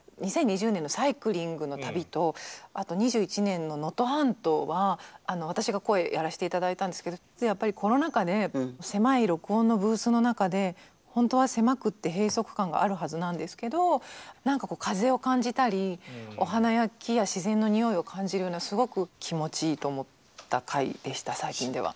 ２０２０年の「サイクリングの旅」とあと２１年の「能登半島」は私が声やらせて頂いたんですけどやっぱりコロナ禍で狭い録音のブースの中でほんとは狭くて閉塞感があるはずなんですけど何かこう風を感じたりお花や木や自然の匂いを感じるようなすごく気持ちいいと思った回でした最近では。